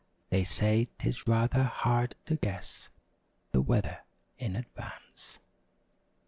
They say 'tis rather hard to guess The weather in advance.